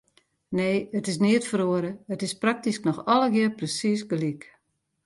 Nee, it is neat feroare, it is praktysk noch allegear persiis gelyk.